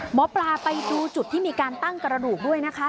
หมอปลาไปดูจุดที่มีการตั้งกระดูกด้วยนะคะ